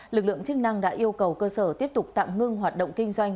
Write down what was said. lực lượng chức năng đã yêu cầu cơ sở tiếp tục tạm ngưng hoạt động kinh doanh